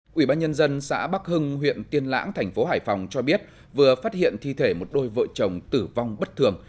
quỹ ban nhân dân xã bắc hưng huyện tiên lãng thành phố hải phòng cho biết vừa phát hiện thi thể một đôi vợ chồng tử vong bất thường